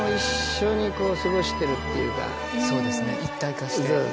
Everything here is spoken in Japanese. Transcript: そうですね一体化して。